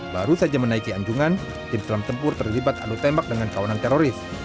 baru saja menaiki anjungan tim selam tempur terlibat adu tembak dengan kawanan teroris